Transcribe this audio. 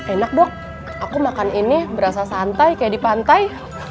enak dok aku makan ini berasa santai kayak di pantai